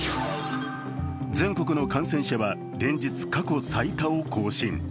全国の感染者は連日、過去最多を更新。